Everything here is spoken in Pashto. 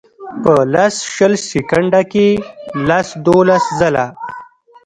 پۀ لس شل سیکنډه کښې لس دولس ځله